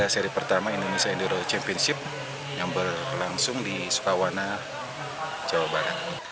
seri pertama indonesia enduro championship yang berlangsung di sukawana jawa barat